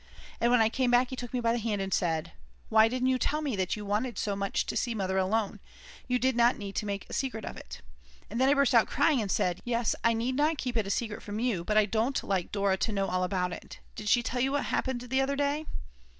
And when I came back he took me by the hand and said: "Why didn't you tell me that you want so much to see Mother alone? You need not make such a secret of it." And then I burst out crying and said: "Yes, I need not keep it secret from you, but I don't like Dora to know all about it. Did she tell you what happened the other day?"